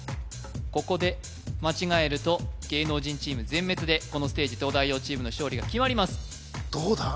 ここで間違えると芸能人チーム全滅でこのステージ東大王チームの勝利が決まりますどうだ？